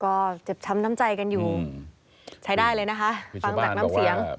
ก็เจ็บช้ำน้ำใจกันอยู่ใช้ได้เลยนะคะฟังจากน้ำเสียง